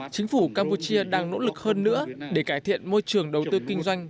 chính phủ campuchia đang nỗ lực hơn nữa để cải thiện môi trường đầu tư kinh doanh